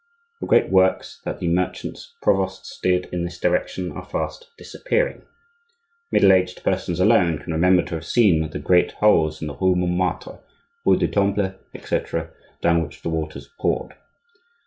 The great works that the "merchants' provosts" did in this direction are fast disappearing. Middle aged persons alone can remember to have seen the great holes in the rue Montmartre, rue du Temple, etc., down which the waters poured.